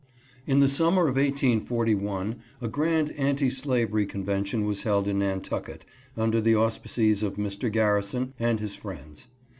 IN the summer of 1841 a grand anti slavery convention was held in Nantucket, under the auspices of Mr. Garrison and his friends.